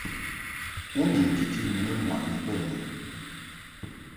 U ni nkiti nu ŋkwaʼni bə mɨ ?